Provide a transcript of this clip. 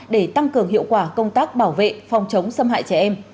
để tăng cường hiệu quả công tác bảo vệ phòng chống xâm hại trẻ em